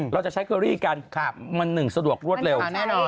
เราจะใช้เกอรี่กันมันหนึ่งสะดวกรวดเร็ว